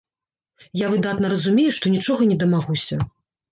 Я выдатна разумею, што нічога не дамагуся.